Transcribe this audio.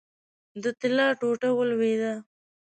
د طلا ټوټه ولوېده.